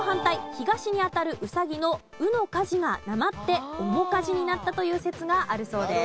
東に当たる「うさぎ」の「うの舵」がなまって面舵になったという説があるそうです。